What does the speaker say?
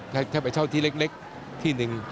แค่ไปเช่าที่เล็กที่หนึ่ง